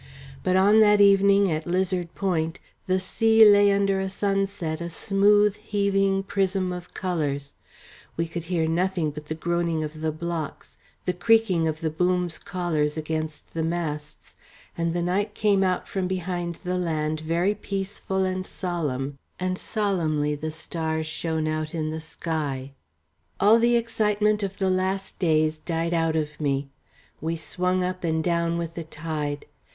But on that evening at the Lizard Point the sea lay under the sunset a smooth, heaving prism of colours; we could hear nothing but the groaning of the blocks, the creaking of the boom's collars against the masts; and the night came out from behind the land very peaceful and solemn, and solemnly the stars shone out in the sky. All the excitement of the last days died out of me. We swung up and down with the tide.